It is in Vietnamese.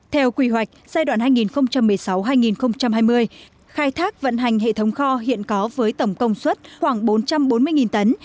theo quy hoạch giai đoạn hai nghìn một mươi sáu hai nghìn hai mươi khai thác vận hành hệ thống kho hiện có với tổng công suất khoảng bốn trăm bốn mươi tấn